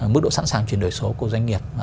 mức độ sẵn sàng chuyển đổi số của doanh nghiệp